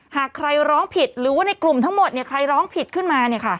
หากใครร้องผิดหรือว่าในกลุ่มทั้งหมดใครร้องผิดขึ้นมา